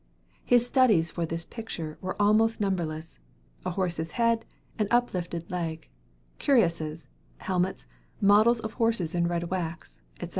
His studies for this picture were almost numberless, a horse's head, an uplifted leg, cuirasses, helmets, models of horses in red wax, etc.